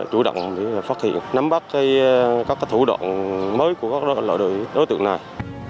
chủ động phát hiện nắm bắt các thủ đoạn mới của các loại đối tượng này